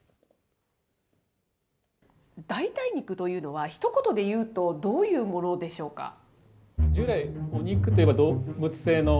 代替肉というのは、ひと言で言うとどういうものでしょうか。